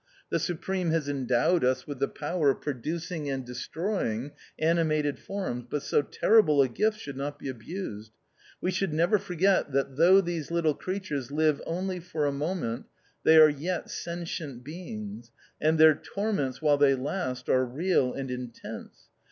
The Supreme has endowed us with the power of producing and destroying animated forms, but so terrible a gift should not be abused. We should never forget that though these little creatures live only for a moment, they are yet sentient beings, and their torments while they last are real and intense.